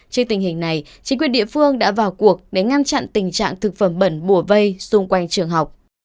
trên tình hình này chính quyền địa phương đã vào cuộc để ngăn chặn tình trạng thực phẩm bẩn bùa vây xung quanh trường học